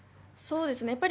そうですね。